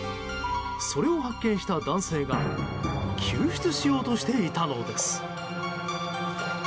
それを発見した男性が救出しようとしていたのです。